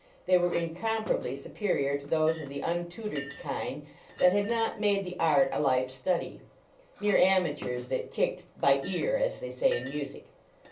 They were incomparably superior to those of the untutored kine that had not made the art a life study mere amateurs that kicked "by ear," as they say in music.